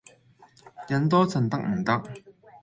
忍多陣得唔得